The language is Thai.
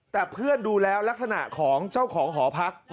แต่เพื่อนดูแล้วลักษณะของเจ้าของหอพัก